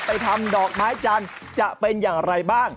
ทำดอกไม้จันทร์จะเป็นอย่างไรบ้าง